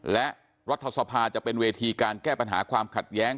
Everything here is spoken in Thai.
และรัฐสภาจะเป็นเวทีการแก้ปัญหาความขัดแย้ง